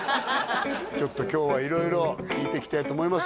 ちょっと今日は色々聞いていきたいと思います